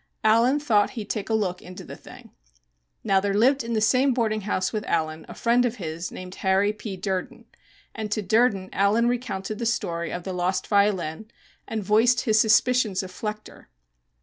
Allen thought he'd take a look into the thing. Now, there lived in the same boarding house with Allen a friend of his named Harry P. Durden, and to Durden Allen recounted the story of the lost violin and voiced his suspicions of Flechter.